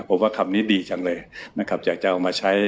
ผมว่าคำนี้ดีจังเลยนะครับอยากจะเอามาใช้